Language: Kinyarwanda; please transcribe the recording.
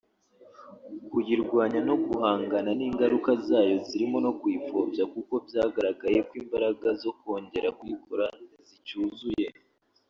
kuyirwanya no guhangana n’ingaruka zayo zirimo no kuyipfobya kuko byagaragaye ko imbaraga zo kongera kuyikora zicyuzuye